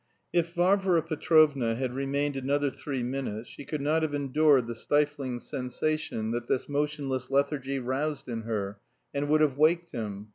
If Varvara Petrovna had remained another three minutes she could not have endured the stifling sensation that this motionless lethargy roused in her, and would have waked him.